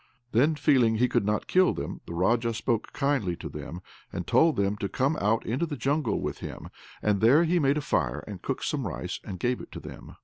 Then, feeling he could not kill them, the Raja spoke kindly to them, and told them to come out into the jungle with him; and there he made a fire and cooked some rice, and gave it to them.